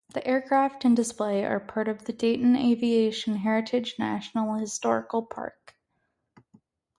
The aircraft and display are part of the Dayton Aviation Heritage National Historical Park.